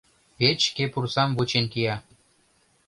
Печке пурсам вучен кия...»